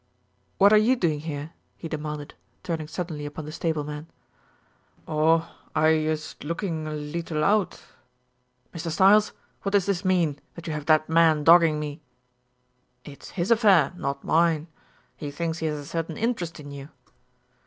"What are you doing here?" he demanded, turning suddenly upon the stable man. "Oh, I yust lookin' a leetle out." "Mr. Stiles, what does this mean, that you have that man dogging me?" "It's his affair, not mine. He thinks he has a certain interest in you."